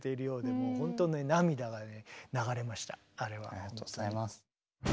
ありがとうございます。